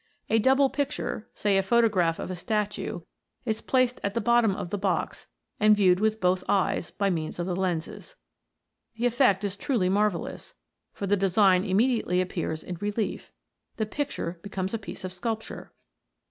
A double picture, say a photo graph of a statue, is placed at the bottom of the box, and viewed with both eyes, by means of the lenses. The effect is truly marvellous, for the de sign immediately appears in relief the picture becomes a piece of sculpture